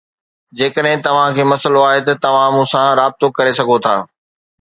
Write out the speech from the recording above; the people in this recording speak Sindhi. جيڪڏهن توهان کي مسئلو آهي ته توهان مون سان رابطو ڪري سگهو ٿا